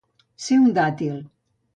Ser un dàtil.